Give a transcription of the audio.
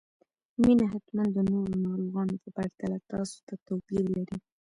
مينه حتماً د نورو ناروغانو په پرتله تاسو ته توپير لري